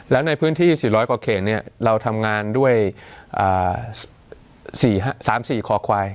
แล้วในพื้นที่๔๐๐กว่าเขตเราทำงานด้วย๓๔คอควาย